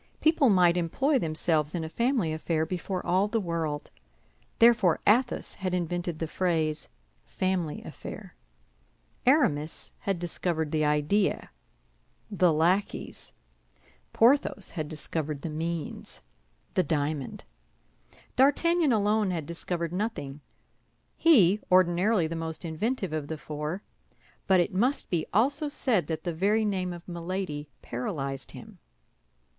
People might employ themselves in a family affair before all the world. Therefore Athos had invented the phrase, family affair. Aramis had discovered the idea, the lackeys. Porthos had discovered the means, the diamond. D'Artagnan alone had discovered nothing—he, ordinarily the most inventive of the four; but it must be also said that the very name of Milady paralyzed him.